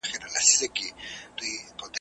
ګټه په سړه سینه کیږي `